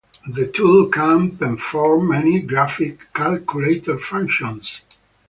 The tool can perform many graphing calculator functions.